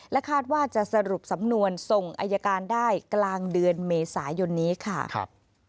คาดว่าจะสรุปสำนวนส่งอายการได้กลางเดือนเมษายนนี้ค่ะ